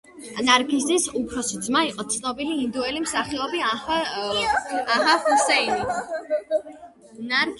ნარგიზის უფროსი ძმა იყო ცნობილი ინდოელი მსახიობი ანვარ ჰუსეინი.